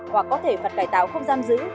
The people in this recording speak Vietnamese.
hoặc có thể phạt cải tạo không giam giữ